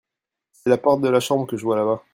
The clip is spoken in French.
c'est la porte de la chambre que je vois là-bas.